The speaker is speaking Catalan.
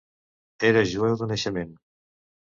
Era jueu de naixement.